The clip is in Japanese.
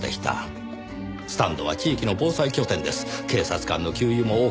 スタンドは地域の防災拠点です。